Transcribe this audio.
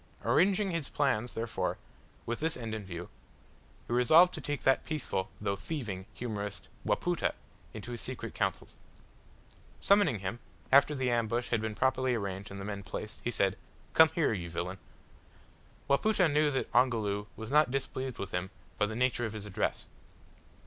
Arranging his plans therefore, with this end in view, he resolved to take that peaceful, though thieving, humorist Wapoota, into his secret councils. Summoning him, after the ambush had been properly arranged and the men placed, he said, "Come here, you villain." Wapoota knew that Ongoloo was not displeased with him by the nature of his address.